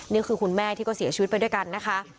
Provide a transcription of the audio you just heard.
นี่คือคุณแม่ที่ก็เสียชีวิตไปด้วยกันนะคะ